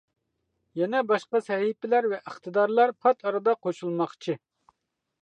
يەنە باشقا سەھىپىلەر ۋە ئىقتىدارلار پات ئارىدا قوشۇلماقچى.